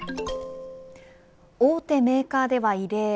大手メーカーでは異例。